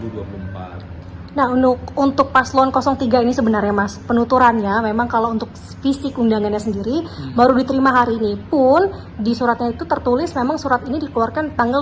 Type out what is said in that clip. nah untuk paslon tiga ini sebenarnya mas penuturannya memang kalau untuk fisik undangannya sendiri baru diterima hari ini pun di suratnya itu tertulis memang surat ini dikeluarkan tanggal dua puluh